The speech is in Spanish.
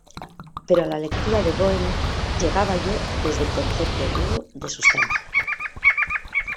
Pero a la lectura de Böhme llegaba yo desde el concepto griego de sustancia.